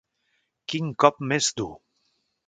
Quin cop més dur.